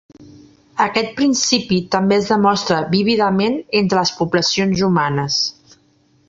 Aquest principi també es demostra vívidament entre les poblacions humanes.